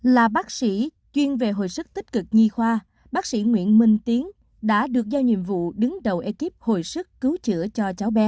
là bác sĩ chuyên về hồi sức tích cực nhi khoa bác sĩ nguyễn minh tiến đã được giao nhiệm vụ đứng đầu ekip hồi sức cứu chữa cho cháu bé